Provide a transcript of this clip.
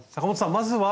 まずは。